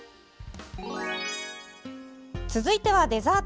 続いては、デザート！